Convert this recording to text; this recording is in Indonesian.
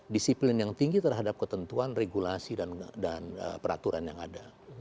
disiplin yang tinggi terhadap ketentuan regulasi dan peraturan yang ada